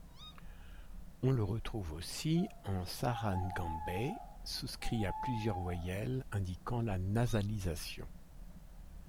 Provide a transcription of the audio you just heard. On le retrouve aussi en sara ngambay souscrit à plusieurs voyelles, indiquant la nasalisation.